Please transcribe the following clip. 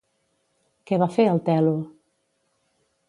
Què va fer el Tèlo?